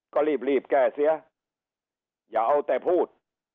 ก็รีบรีบแก้เสียอย่าเอาแต่พูด